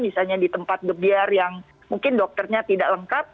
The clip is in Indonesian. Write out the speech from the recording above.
misalnya di tempat gembiar yang mungkin dokternya tidak lengkap